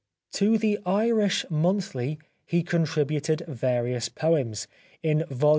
To The Irish Monthly he contributed various poems. In vol.